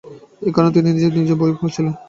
এই কারণে তিনি নিজেই নিজের বই ছিলেন।